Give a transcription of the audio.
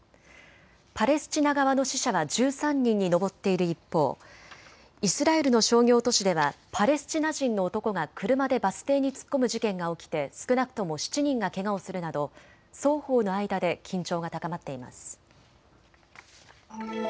パレスチナ側の死者は１３人に上っている一方、イスラエルの商業都市ではパレスチナ人の男が車でバス停に突っ込む事件が起きて少なくとも７人がけがをするなど双方の間で緊張が高まっています。